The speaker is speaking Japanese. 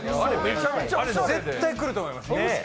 あれ、絶対来ると思います。